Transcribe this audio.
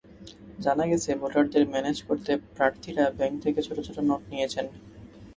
জানা গেছে, ভোটারদের ম্যানেজ করতে প্রার্থীরা ব্যাংক থেকে ছোট ছোট নোট নিয়েছেন।